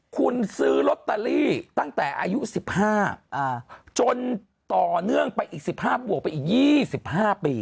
คุณซื้อลอตเตอรี่ตั้งแต่อายุ๑๕จนต่อเนื่องไปอีก๑๕บวกไปอีก๒๕ปี